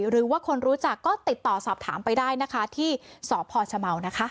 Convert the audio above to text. หรือว่าคนรู้จักก็ติดต่อสอบถามไปได้นะคะที่สพชเมานะคะ